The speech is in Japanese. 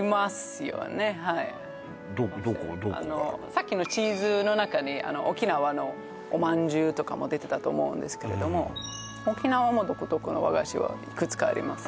さっきの地図の中に沖縄のおまんじゅうとかも出てたと思うんですけれども沖縄も独特の和菓子はいくつかあります